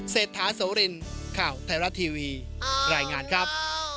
เศรษฐาโสรินข่าวไทยรัฐทีวีรายงานครับ